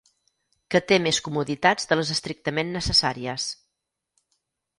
Que té més comoditats de les estrictament necessàries.